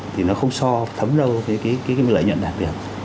thì nó không so thấm đâu với cái lợi nhuận đặc biệt